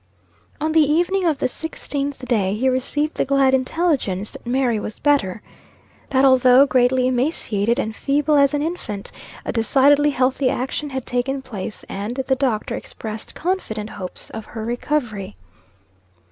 On the evening of the sixteenth day, he received the glad intelligence that Mary was better. That although greatly emaciated, and feeble as an infant, a decidedly healthy action had taken place, and the doctor expressed confident hopes of her recovery.